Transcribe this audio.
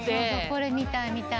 これ見たい見たい。